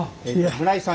村井さん